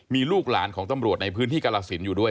มีลูกหลานของตำรวจในพื้นที่กรสินอยู่ด้วย